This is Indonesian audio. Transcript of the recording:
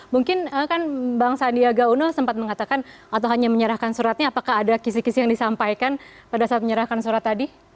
mungkin kan bang sandiaga uno sempat mengatakan atau hanya menyerahkan suratnya apakah ada kisi kisi yang disampaikan pada saat menyerahkan surat tadi